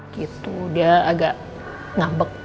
gitu dia agak ngambek